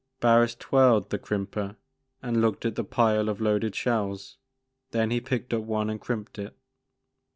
Barris twirled the crimper and looked at the pile of loaded shells. Then he picked up one and crimped it.